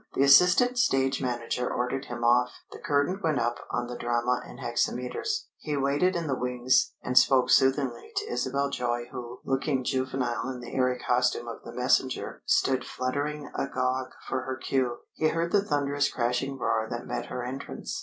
The assistant stage manager ordered him off. The curtain went up on the drama in hexameters. He waited in the wings, and spoke soothingly to Isabel Joy who, looking juvenile in the airy costume of the Messenger, stood flutteringly agog for her cue.... He heard the thunderous crashing roar that met her entrance.